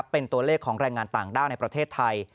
เป็นตัวเลขของแรงงานต่างด้าวในประเทศไทย